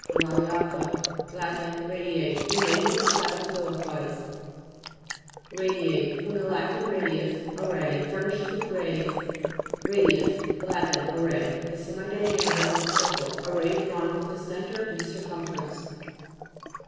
RADIA'TA Lat Radiate : the name of a class of zo'ophytes. RA'DTATE fr. lat. radius, a ray. Furnished with rays. RA'DIUS Lat. A ray. The semi diameter of a circle ; a ray drawn from the centre to the circumference.